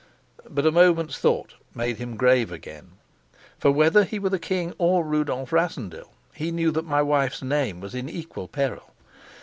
But a moment's thought made him grave again. For whether he were the king or Rudolf Rassendyll, he knew that my wife's name was in equal peril.